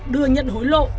đưa nhận hối lộ